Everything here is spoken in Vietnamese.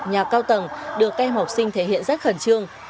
nhà cao tầng được các em học sinh thể hiện rất khẩn trương